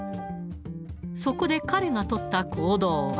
そこで、彼が取った行動は。